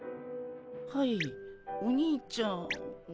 はいお兄ちゃん？